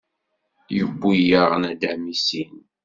Yewwi-yaɣ nadam i sin.